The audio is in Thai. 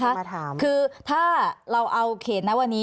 เดี๋ยวนะคะคือถ้าเราเอาเขตนะวันนี้